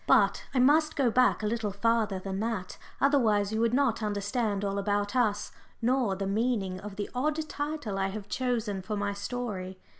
But I must go back a little farther than that, otherwise you would not understand all about us, nor the meaning of the odd title I have chosen for my story.